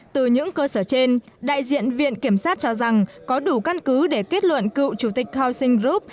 từ những cơ sở trên đại diện viện kiểm sát cho rằng có đủ căn cứ để kết luận cựu chủ tịch housing group